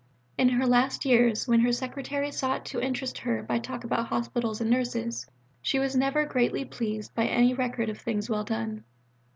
In her last years, when her secretary sought to interest her by talk about hospitals and nurses, she was never greatly pleased by any record of things well done.